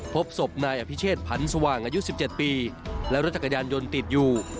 พบศพนายอภิเชษผันสว่างอายุ๑๗ปีและรถจักรยานยนต์ติดอยู่